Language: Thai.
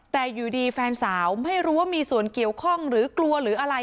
แต่อยู่ดีแฟนสาวไม่รู้ว่ามีส่วนเกี่ยวข้องหรือกลัวหรืออะไร